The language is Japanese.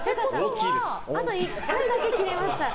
あと１回だけ切れますから。